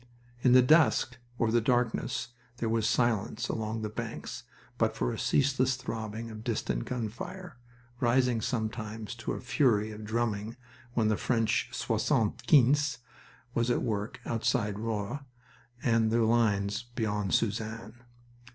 In the dusk or the darkness there was silence along the banks but for a ceaseless throbbing of distant gun fire, rising sometimes to a fury of drumming when the French soixante quinze was at work, outside Roye and the lines beyond Suzanne.